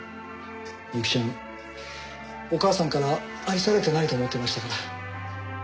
美雪ちゃんお母さんから愛されてないと思ってましたから。